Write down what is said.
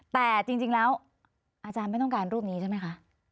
แต่จริงแล้วอาจารย์ไม่ต้องการรูปนี้ใช่ไหมคะ